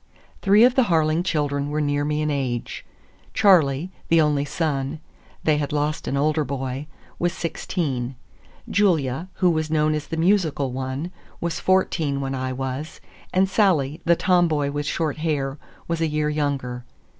Three of the Harling children were near me in age. Charley, the only son,—they had lost an older boy,—was sixteen; Julia, who was known as the musical one, was fourteen when I was; and Sally, the tomboy with short hair, was a year younger.